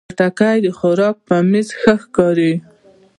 خټکی د خوراک په میز ښه ښکاري.